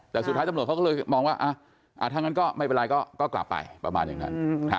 แต่สุดท้ายตำรวจเขาก็เลยมองว่าถ้างั้นก็ไม่เป็นไรก็กลับไปประมาณอย่างนั้น